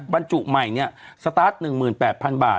บรรจุใหม่เนี่ยสตาร์ทหนึ่งหมื่นแปดพันบาท